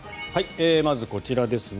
まず、こちらですね。